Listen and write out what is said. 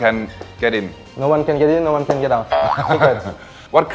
อ๋อนี่คือห้องหัวหลัก